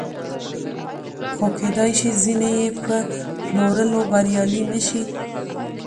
خو کېدای شي ځینې یې په پلورلو بریالي نشي